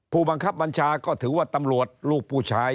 ผู้บังคับบัญชาก็ถือว่าตำรวจลูกผู้ชาย